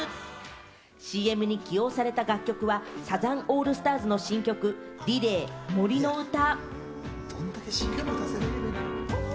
ＣＭに起用された楽曲は、サザンオールスターズの新曲『Ｒｅｌａｙ杜の詩』。